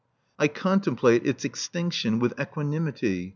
I contemplate its extinction with equanimity.